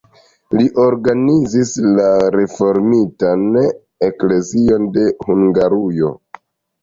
Li organizis la reformitan eklezion de Hungarujo.